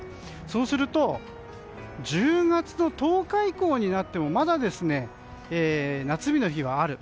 そうすると１０月の１０日以降になってもまだ夏日の日はある。